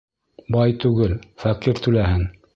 Бай түгел, фәҡир түләһен!